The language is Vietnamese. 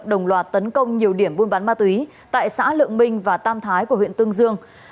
đồng loạt tấn công nhiều điểm buôn bán ma túy tại xã lượng minh và tam thái của huyện tương dương